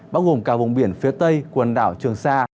bao gồm cả vùng biển phía tây quần đảo trường sa